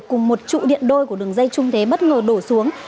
cùng một trụ điện đôi của đường dây trung thế bất ngờ đổ xuống